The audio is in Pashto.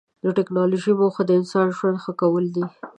د ټکنالوجۍ موخه د انسان ژوند ښه کول دي.